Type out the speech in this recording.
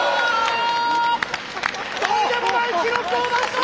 とんでもない記録を出した！